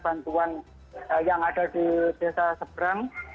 bantuan yang ada di desa seberang